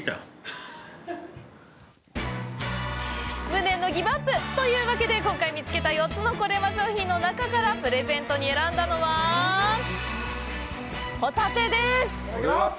無念のギブアップ！というわけで、今回見つけた４つの「コレうま」商品の中からプレゼントに選んだのはホタテです！